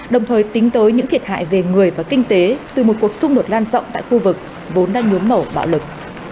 đồng thời tính tới những thiệt hại về người và kinh tế từ một cuộc xung đột lan rộng tại khu vực vốn đang nhuốm màu bạo lực